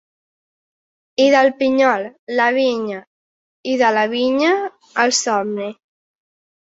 I del pinyol, la vinya, i de la vinya, el somni.